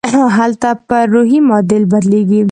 هلته پر روحي معادل بدلېږي.